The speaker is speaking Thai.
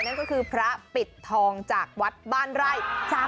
นั่นก็คือพระปิดทองจากวัดบ้านไร่